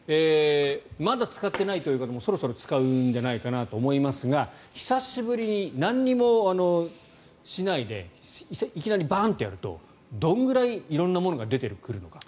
まだ使っていないという方もそろそろ使うんじゃないかなと思いますが久しぶりになんにもしないでいきなりバーンとやるとどのくらい色んなものが出てくるのか。